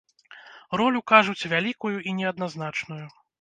Ролю, кажуць, вялікую і неадназначную.